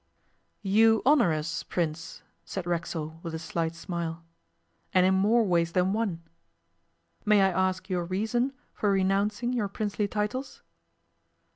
'You honour us, Prince,' said Racksole with a slight smile, 'and in more ways than one. May I ask your reason for renouncing your princely titles?